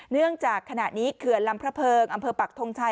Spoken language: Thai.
เนื่องจากขณะนี้เขื่อนลำพระเพิงอำเภอปักทงชัย